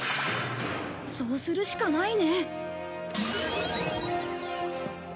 そうするしかないね。